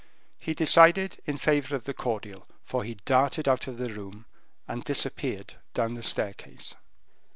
He decided in favor of the cordial, for he darted out of the room and disappeared down the staircase.